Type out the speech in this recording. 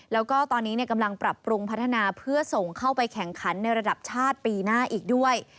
แล้วก็ตอนนี้กำลังปรับปรุงพัฒนาเพื่อส่งเข้าไปแข่งขันในระดับชาติปีหน้าอีกด้วย